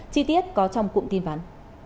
chi tiết có trong cụm tin ván